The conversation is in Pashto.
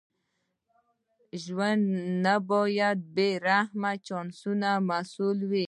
ژوند نه باید د بې رحمه چانسونو محصول وي.